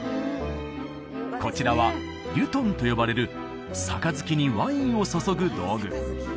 こちらはリュトンと呼ばれる杯にワインを注ぐ道具